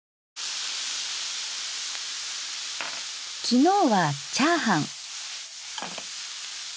昨日はチャーハン。